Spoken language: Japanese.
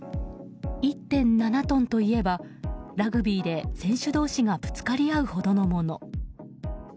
１．７トンといえばラグビーで選手同士がぶつかり合うほどのもの。